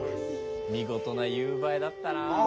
見事な夕映えだったな。